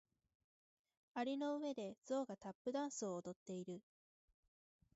蟻の上でゾウがタップダンスを踊っている。